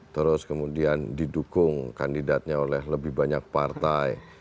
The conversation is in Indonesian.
terus kemudian didukung kandidatnya oleh lebih banyak partai